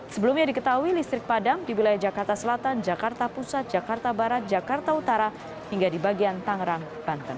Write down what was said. sebelumnya diketahui listrik padam di wilayah jakarta selatan jakarta pusat jakarta barat jakarta utara hingga di bagian tangerang banten